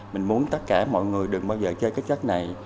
mình muốn tất cả mọi người đừng bao giờ chơi cái chất này